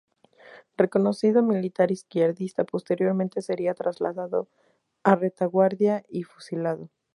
Reconocido militar izquierdista, posteriormente sería trasladado a retaguardia y fusilado.